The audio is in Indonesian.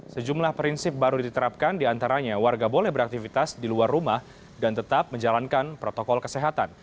sejumlah prinsip baru diterapkan diantaranya warga boleh beraktivitas di luar rumah dan tetap menjalankan protokol kesehatan